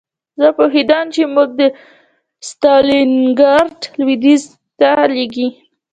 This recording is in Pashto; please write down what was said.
زه پوهېدم چې موږ د ستالینګراډ لویدیځ ته لېږي